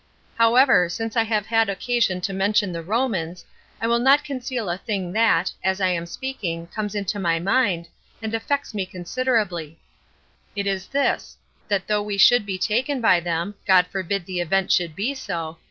However, since I have had occasion to mention the Romans, I will not conceal a thing that, as I am speaking, comes into my mind, and affects me considerably; it is this, that though we should be taken by them, [God forbid the event should be so!